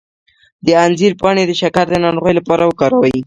د انځر پاڼې د شکر د ناروغۍ لپاره وکاروئ